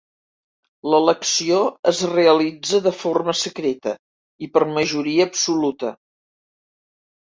L'elecció es realitza de forma secreta i per majoria absoluta.